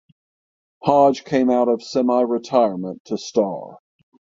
Hodge came out of semi retirement to star.